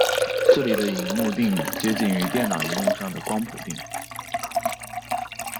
这里的萤幕靛接近于电脑萤幕上的光谱靛。